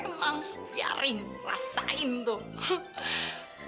emang biarin rasain tuh